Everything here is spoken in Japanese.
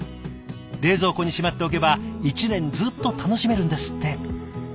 冷蔵庫にしまっておけば一年ずっと楽しめるんですって。